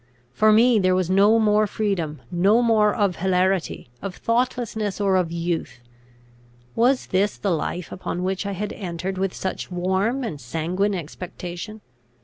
For me there was no more freedom, no more of hilarity, of thoughtlessness, or of youth. Was this the life upon which I had entered with such warm and sanguine expectation?